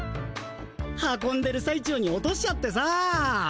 運んでるさい中に落としちゃってさ。